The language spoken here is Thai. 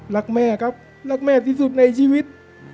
รักแม่ครับรักแม่ที่สุดในชีวิต